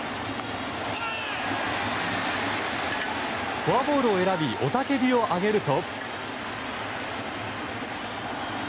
フォアボールを選び雄たけびを上げると。